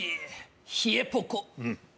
冷えポコ